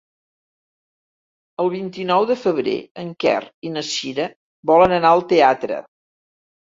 El vint-i-nou de febrer en Quer i na Cira volen anar al teatre.